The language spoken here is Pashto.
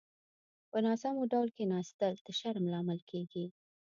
په ناسمو ډول کيناستل د شرم لامل کېږي.